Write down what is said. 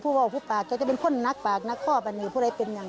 พบว่ามันก็คิดว่าสิ้นส่านอยู่